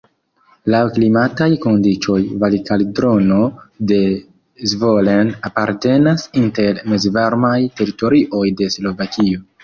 Laŭ klimataj kondiĉoj Valkaldrono de Zvolen apartenas inter mezvarmaj teritorioj de Slovakio.